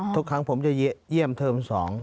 ทุกครั้งผมจะเยี่ยมเทอม๒